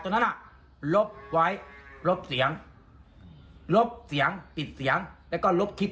นั้นอ่ะลบไว้ลบเสียงลบเสียงปิดเสียงแล้วก็ลบคลิป